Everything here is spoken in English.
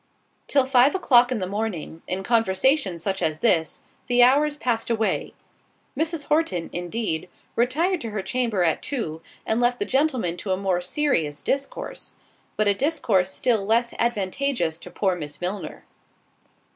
Till five o'clock in the morning, in conversation such as this, the hours passed away. Mrs. Horton, indeed, retired to her chamber at two, and left the gentlemen to a more serious discourse; but a discourse still less advantageous to poor Miss Milner.